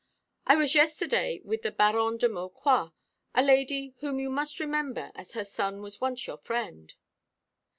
I was yesterday with the Baronne de Maucroix, a lady whom you must remember, as her son was once your friend."